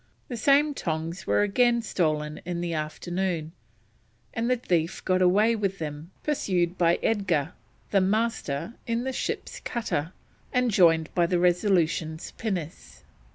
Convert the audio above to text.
The same tongs were again stolen in the afternoon, and the thief got away with them, pursued by Edgar, the Master, in the ship's cutter, and joined by the Resolution's pinnace.